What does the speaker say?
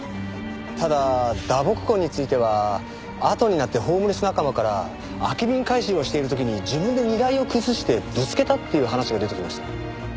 ただ打撲痕についてはあとになってホームレス仲間から空きビン回収をしている時に自分で荷台を崩してぶつけたっていう話が出てきました。